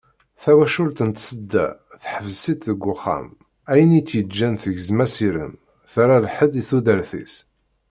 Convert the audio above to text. Tawacult n Tsedda, teḥbes-itt deg uxxam, ayen i tt-yeǧǧan tegzem asirem, terra lḥedd i tudert-is.